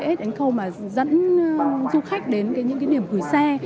đến cái khâu mà dẫn du khách đến những cái điểm gửi xe